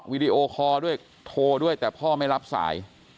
วิดีโอคอร์ด้วยโทรด้วยแต่พ่อไม่รับสาย